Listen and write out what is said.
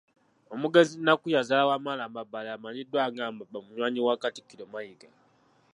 Omugenzi Nakku y'azaala Wamala Mbabaali amanyiddwa nga Mbaba munywanyi wa Katikkiro Mayiga.